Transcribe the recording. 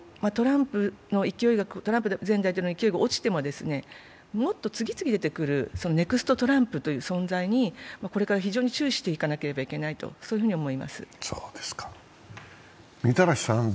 トランプ前大統領の勢いが落ちてももっと次々出てくるネクスト・トランプという存在にこれから非常に注視していかなければならないと思います。